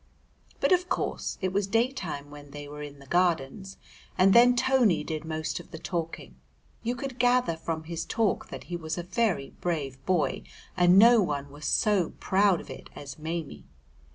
But of course it was daytime when they were in the Gardens, and then Tony did most of the talking. You could gather from his talk that he was a very brave boy, and no one was so proud of it as Maimie.